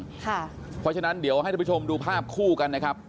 เพราะฉะนั้นเดี๋ยวให้ทุกผู้ชมดูภาพคู่กันนะครับ